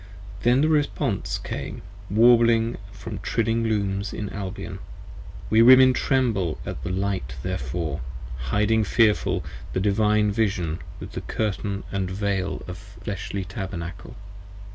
Then the response came warbling from trilling Looms in Albion. We Women tremble at the light therefore: hiding fearful, 40 The Divine Vision with Curtain & Veil & fleshly Tabernacle.